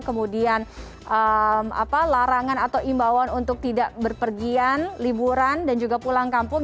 kemudian larangan atau imbauan untuk tidak berpergian liburan dan juga pulang kampung